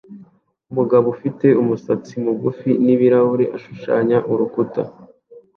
Umugabo ufite umusatsi mugufi n'ibirahure ashushanya urukuta